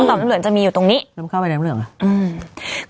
ต่อมน้ำเหลืองจะมีอยู่ตรงนี้แล้วมันเข้าไปในน้ำเหลืองอ่ะอืม